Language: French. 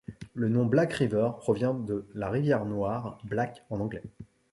Le nom Black River provient de la rivière Noire, Black en anglais.